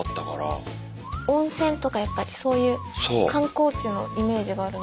温泉とかやっぱりそういう観光地のイメージがあるので。